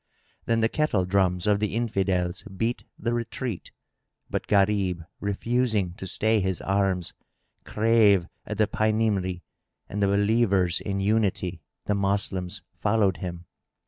Then the kettle drums of the Infidels beat the retreat, but Gharib, refusing to stay his arms, drave at the Paynimry, and the Believers in Unity, the Moslems, followed him.